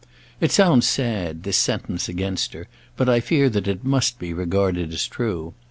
It sounds sad, this sentence against her, but I fear that it must be regarded as true.